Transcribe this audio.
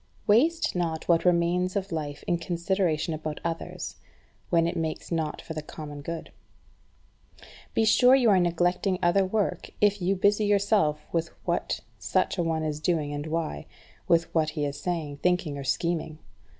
4. Waste not what remains of life in consideration about others, when it makes not for the common good. Be sure you are neglecting other work if you busy yourself with what such a one is doing and why, with what he is saying, thinking, or scheming.